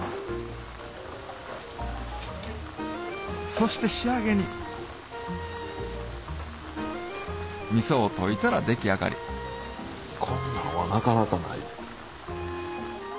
そして仕上げにみそを溶いたら出来上がりこんなんはなかなかない。